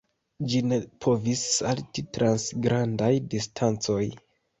Ĝi ne povis salti trans grandaj distancoj.